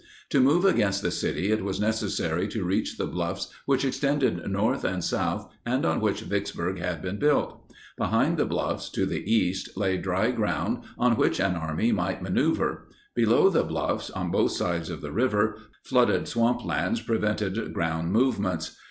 To move against the city it was necessary to reach the bluffs which extended north and south and on which Vicksburg had been built. Behind the bluffs, to the east, lay dry ground on which an army might maneuver; below the bluffs, on both sides of the river, flooded swamplands prevented ground movements.